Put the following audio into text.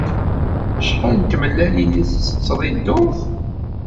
Acḥal n tmellalin i ttetteḍ i ddurt?